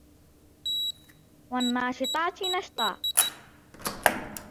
وَالنَّاشِطَاتِ نَشْطًا